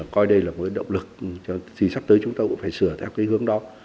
coi đây là một động lực thì sắp tới chúng ta cũng phải sửa theo hướng đó